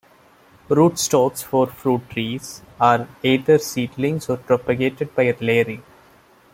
Rootstocks for fruit trees are either seedlings or propagated by layering.